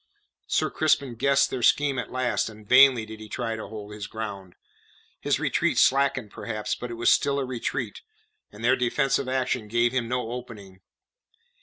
Sir Crispin guessed their scheme at last, and vainly did he try to hold his ground; his retreat slackened perhaps, but it was still a retreat, and their defensive action gave him no opening.